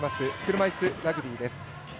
車いすラグビーです。